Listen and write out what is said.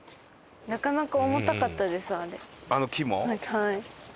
はい。